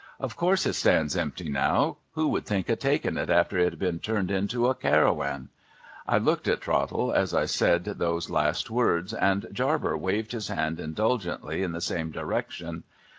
Of course it stands empty now. A\'ho would think of taking it after it had been turned into a raravan ?' I looked at Trottle, as I said those last words, and Jarber waved his hand indulgently in the same direction.